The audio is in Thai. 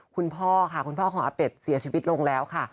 คุณพ่อค่ะคุณพ่อของอาเป็ดเสียชีวิตลงแล้วค่ะ